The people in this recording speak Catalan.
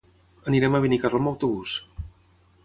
Anirem a Benicarló amb autobús.